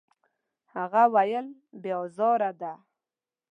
هغه وویل: «بې ازاره ده.»